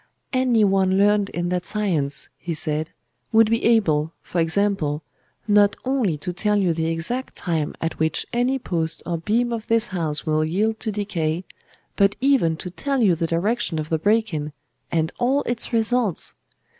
"Any one learned in that science," he said, "would be able, for example, not only to tell you the exact time at which any post or beam of this house will yield to decay, but even to tell you the direction of the breaking, and all its results.